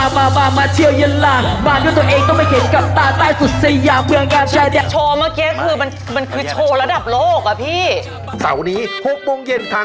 มามาเที่ยวเย็นล่า